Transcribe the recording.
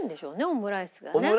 オムライスがね。